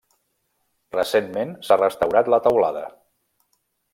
Recentment s'ha restaurat la teulada.